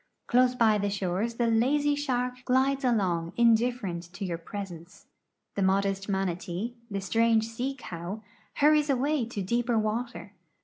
Close by the shores the lazy shark glides along indifferent to j'our presence. The modest manatee, the strange sea cow, hurries away to dee})er water.